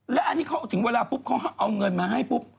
แล้วถึงเวลาเขาเอาเงินมาให้ปุ๊บ